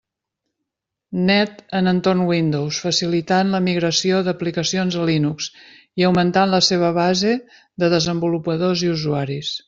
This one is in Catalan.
Net en entorn Windows, facilitant la migració d'aplicacions a Linux i augmentant la seva base de desenvolupadors i usuaris.